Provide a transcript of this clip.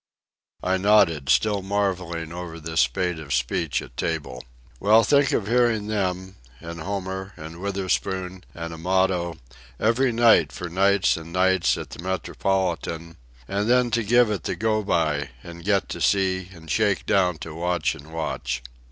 I nodded, still marvelling over this spate of speech at table. "Well, think of hearing them, and Homer, and Witherspoon, and Amato, every night for nights and nights at the Metropolitan; and then to give it the go by, and get to sea and shake down to watch and watch."